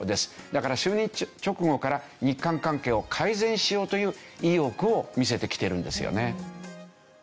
だから就任直後から日韓関係を改善しようという意欲を見せてきてるんですよね。